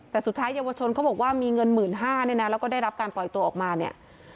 แต่สุดท้ายเยาวชนเขาบอกว่ามีเงิน๑๕๐๐เนี่ยนะแล้วก็ได้รับการปล่อยตัวออกมาเนี่ย